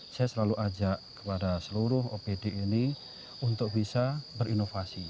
saya selalu ajak kepada seluruh opd ini untuk bisa berinovasi